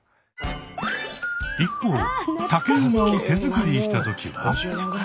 一方竹馬を手作りしたときは。